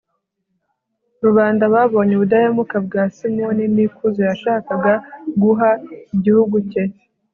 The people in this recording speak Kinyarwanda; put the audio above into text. rubanda babonye ubudahemuka bwa simoni n'ikuzo yashakaga guha igihugu cye